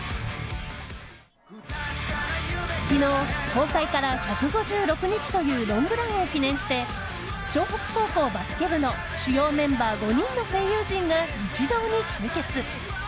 昨日、公開から１５６日というロングランを記念して湘北高校バスケ部の主要メンバー５人の声優陣が一堂に集結。